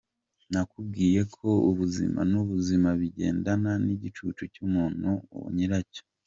Nakubwiye ko ubuzimu n’ubuzima bigendana nk’igicucu cy’umuntu na nyira cyo!